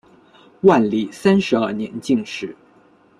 万历三十二年进士。